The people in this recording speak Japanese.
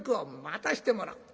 「待たせてもらう」。